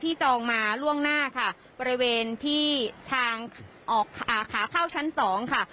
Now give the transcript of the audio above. จองมาล่วงหน้าค่ะบริเวณที่ทางออกขาเข้าชั้นสองค่ะ